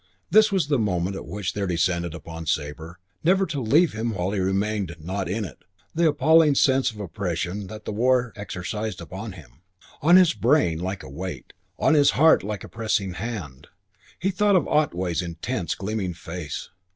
This was the moment at which there descended upon Sabre, never to leave him while he remained not "in it", the appalling sense of oppression that the war exercised upon him. On his brain like a weight; on his heart like a pressing hand. He thought of Otway's intense, gleaming face.